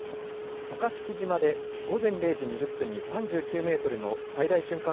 渡嘉敷島で午前０時２０分に３９メートルの最大瞬間